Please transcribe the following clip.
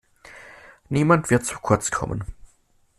Niemand wird zu kurz kommen.